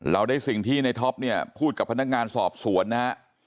เราได้สิ่งที่ในท็อปเนี่ยพูดกับพนักงานสอบสวนนะฮะ